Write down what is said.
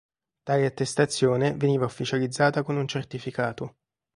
Tale attestazione veniva ufficializzata con un certificato.